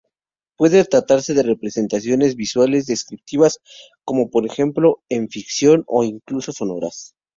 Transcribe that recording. Puede tratarse de representaciones visuales, descriptivas, como por ejemplo en ficción, o incluso sonoras.